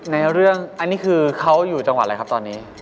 ในเรื่องอันนี้คือเขาอยู่จังหวัดอะไรครับตอนนี้